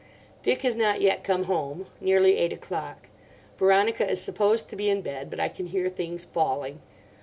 "Dick has not yet come home—nearly eight o'clock. Veronica is supposed to be in bed, but I can hear things falling.